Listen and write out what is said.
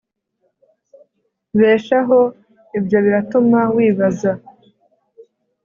beshaho Ibyo biratuma wibaza